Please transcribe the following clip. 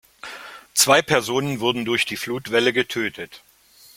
Zwei Personen wurden durch die Flutwelle getötet.